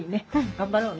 頑張ろうね。